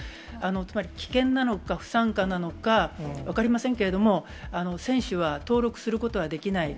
つまり、棄権なのか、不参加なのか、分かりませんけれども、選手は登録することはできない。